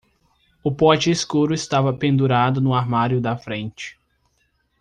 O pote escuro estava pendurado no armário da frente.